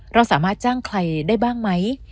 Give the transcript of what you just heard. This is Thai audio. เราสามารถจ้างใครได้บ้างไหม